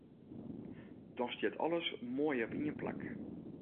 Dan stiet alles moai op ien plak.